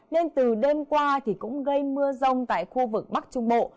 nên từ đêm qua thì cũng gây mưa rông tại khu vực bắc trung bộ